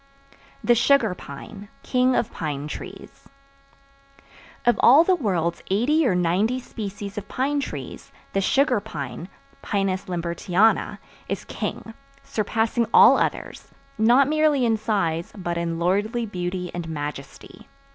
The Sugar Pine, King Of Pine Trees Of all the world's eighty or ninety species of pine trees, the Sugar Pine (Pinus Lambertiana) is king, surpassing all others, not merely in size but in lordly beauty and majesty.